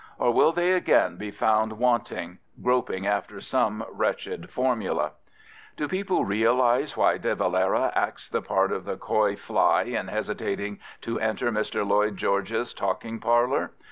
Or will they again be found wanting, groping after some wretched formula? Do people realise why De Valera acts the part of the coy fly in hesitating to enter Mr Lloyd George's talking parlour?